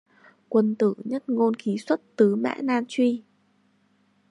Quân tử nhất ngôn kí xuất, tứ mã nan truy